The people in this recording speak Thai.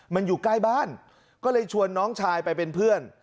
มันอยู่ใกล้บ้านก็เลยชวนน้องชายไปเป็นเพื่อน